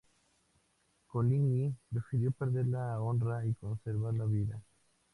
Coligny prefirió perder la honra y conservar la vida.